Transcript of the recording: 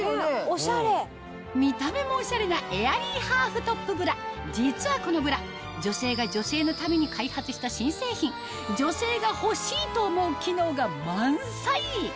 見た目もオシャレなエアリーハーフトップブラ実はこのブラ女性が女性のために開発した新製品女性が欲しいと思う機能が満載！